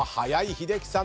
英樹さん